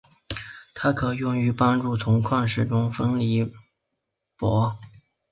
它可用于帮助从矿石中分离钼。